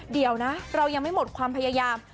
เดี๋ยวนะเรายังไม่หมดความพยายาม